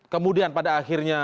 kemudian pada akhirnya